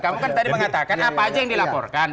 kamu kan tadi mengatakan apa aja yang dilaporkan